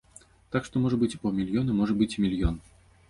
Так што, можа быць і паўмільёна, можа быць, і мільён.